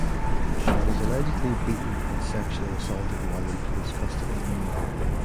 She was allegedly beaten and sexually assaulted while in police custody.